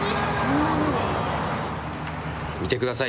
見てください。